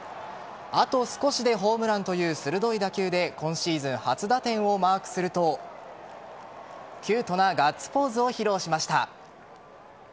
あと少しでホームランという鋭い打球で今シーズン初打点をマークするとキュートなガッツポーズを披露しました。